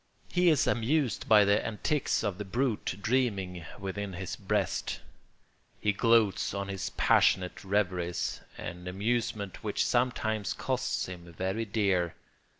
He is amused by the antics of the brute dreaming within his breast; he gloats on his passionate reveries, an amusement which sometimes costs him very dear.